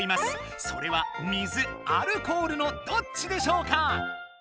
それは水・アルコールのどっちでしょうか？